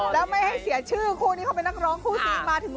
แล้วไม่ให้เสียชื่อคู่นี้เขาเป็นนักร้องคู่ศีลมาถึงเวทีขนาดนี้